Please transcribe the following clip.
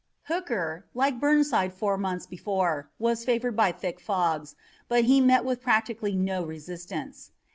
Hooker, like Burnside four months before, was favored by thick fogs, but he met with practically no resistance.